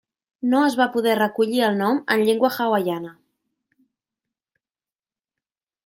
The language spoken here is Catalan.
No es va poder recollir el nom en llengua hawaiana.